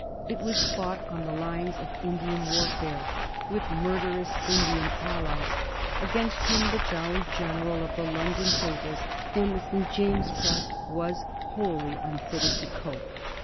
It was fought on the lines of Indian warfare, with murderous Indian allies, against whom the jolly general of the London tables and the St. James's clubs was wholly un fitted to cope.